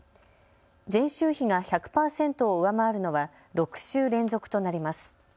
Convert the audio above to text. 前週比が１００％を上回るのは６週連続となります。